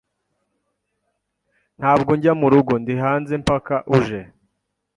Ntabwo njya murugo, Ndi hanze mpaka uje